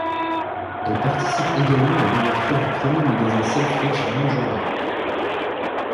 Elle participe également à l'ouverture du premier magasin Selfridges non genré.